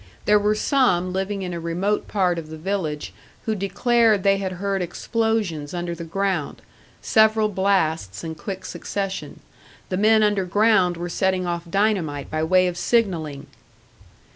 There were some living in a remote part of the village who declared they had heard explosions under the ground, several blasts in quick succession. The men underground were setting off dynamite by way of signalling!